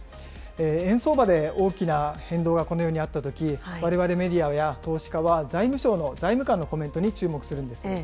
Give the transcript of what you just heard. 円相場で大きな変動がこのようにあったとき、われわれメディアや投資家は、財務省の財務官のコメントに注目するんです。